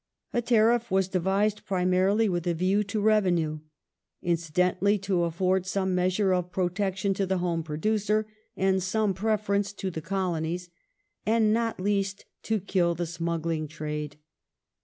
A tariff was devised primaiily with a view to revenue ; incidentally to afford some measure of protection to the home producer, and some preference to the Colonies, and, not least, to kill the smuggling trade.